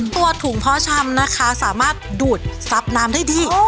ถัวถุงเพาะช้ำสามารถดูดทรัพย์น้ำได้ดี